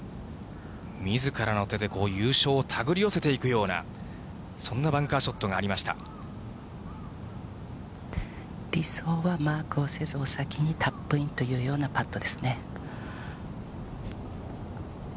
みずからの手で優勝をたぐり寄せていくような、そんなバンカーシ理想はマークをせず、お先にカップインというようなパットですね。